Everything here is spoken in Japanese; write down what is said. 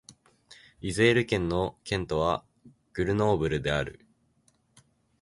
イゼール県の県都はグルノーブルである